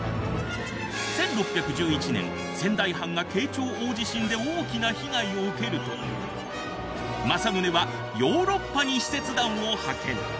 １６１１年仙台藩が慶長大地震で大きな被害を受けると政宗はヨーロッパに使節団を派遣。